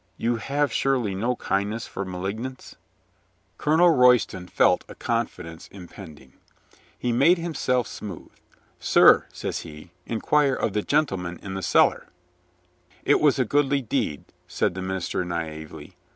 You have surely no kindness for malignants?" THE INSPIRATION OF COLONEL STOW 27 Colonel Royston felt a confidence impending. He made himself smooth. "Sir," says he, "inquire of the gentlemen in the cellar." "It was a godly deed," said the minister naively.